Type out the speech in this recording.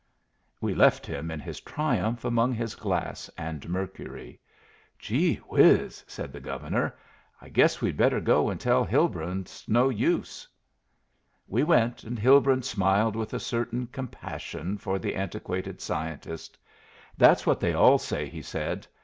We left him in his triumph among his glass and mercury. "Gee whiz!" said the Governor. "I guess we'd better go and tell Hilbrun it's no use." We went, and Hilbrun smiled with a certain compassion for the antiquated scientist. "That's what they all say," he said.